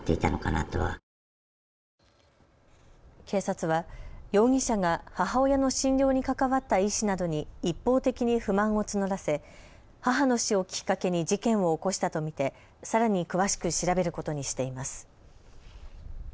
警察は容疑者が母親の診療に関わった医師などに一方的に不満を募らせ母の死をきっかけに事件を起こしたと見て、さらに詳しく調べることにしています。